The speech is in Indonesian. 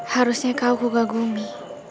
harusnya kau kugagumi